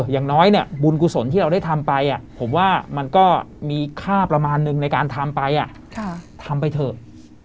อย่างน้อยเนี่ยบุญกุศลที่เราได้ทำไปผมว่ามันก็มีค่าประมาณนึงในการทำไปทำไปเถอะ